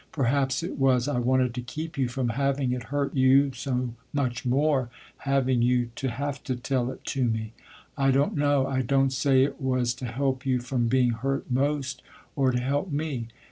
Perhaps it was I wanted to keep you from having it hurt you so much more, having you to have to tell it to me. I don't know, I don't say it was to help you from being hurt most, or to help me.